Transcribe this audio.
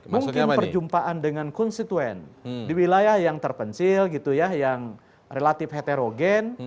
mungkin perjumpaan dengan konstituen di wilayah yang terpencil gitu ya yang relatif heterogen